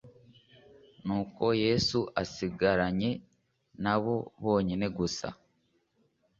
nuko Yesu asigaranye na bo bonyine gusa,